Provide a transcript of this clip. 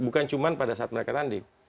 bukan cuma pada saat mereka landing